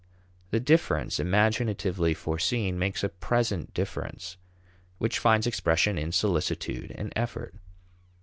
The difference imaginatively foreseen makes a present difference, which finds expression in solicitude and effort.